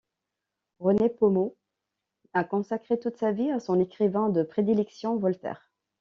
René Pomeau a consacré toute sa vie à son écrivain de prédilection, Voltaire.